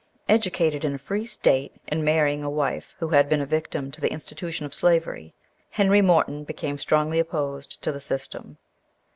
EDUCATED in a free state, and marrying a wife who had been a victim to the institution of slavery, Henry Morton became strongly opposed to the system.